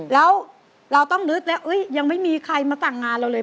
แล้วเราต้องนึกแล้วยังไม่มีใครมาสั่งงานเราเลย